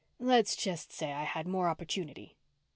"Let's just say I had more opportunity."